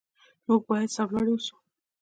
موږ باید سرلوړي اوسو.